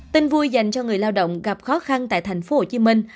tin vui dành cho người lao động gặp khó khăn tại thành phố hồ chí minh